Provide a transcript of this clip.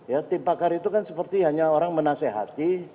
ya tim pakar itu kan seperti hanya orang menasehati